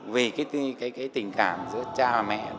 vì cái tình cảm giữa cha và mẹ